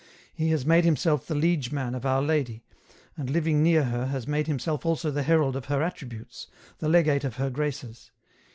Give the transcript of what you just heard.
He has made himself the liege man of Our Lady, and living near her has made himself also the herald of her attributes, the legate of her graces.